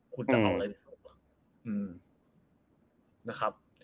คุณจะเอาอะไรดีกว่า